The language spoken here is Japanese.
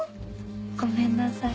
ごめんなさい。